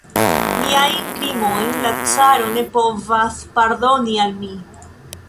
Miajn krimojn la caro ne povas pardoni al mi.